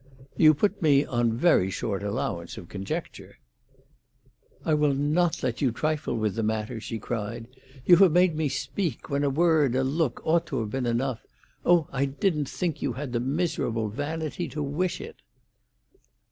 "You put me on very short allowance of conjecture." "I will not let you trifle with the matter!" she cried. "You have made me speak, when a word, a look, ought to have been enough. Oh, I didn't think you had the miserable vanity to wish it!"